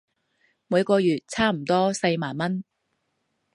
每個月差唔多四萬文